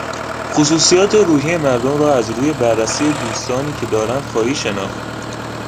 خصوصیات روحی مردم را از روی بررسی دوستانی که دارند خواهی شناخت.